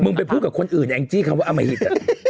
ไปพูดกับคนอื่นแองจี้คำว่าอมหิต